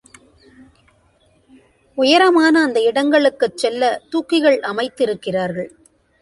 உயரமான அந்த இடங்களுக்குச் செல்ல தூக்கிகள் அமைத்து இருக்கிறார்கள்.